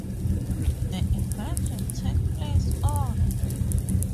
The event will take place on